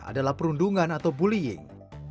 adalah perundungan atau bullying